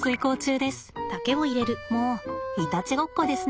もういたちごっこですね。